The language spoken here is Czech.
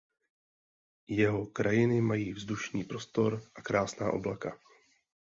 Jeho krajiny mají vzdušný prostor a krásná oblaka.